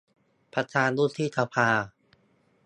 ประธานวุฒิสภา